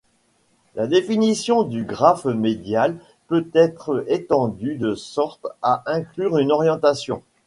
La définition du graphe médial peut être étendue de sorte à inclure une orientation.